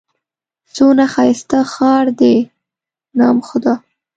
څونه ښايسته ښار دئ! نام خدا!